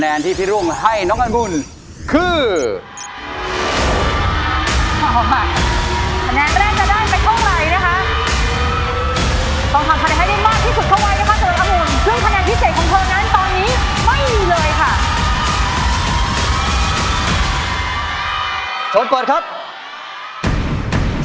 แล้วน้องซีซีนะครับผมจะต้องเป็นท่านที่กลับบ้านไปนะครับผม